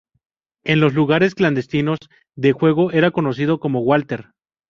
En los lugares clandestinos de juego era conocido como Walter.